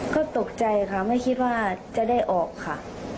ก็ตกใจค่ะไม่คิดว่าจะได้ออกค่ะ